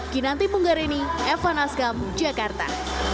kinanti punggarini eva nazgam jakarta